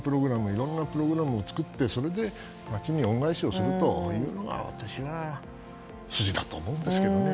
いろんなプログラムを作ってそれで夏に恩返しするというのが私は筋だと思うんですけどね。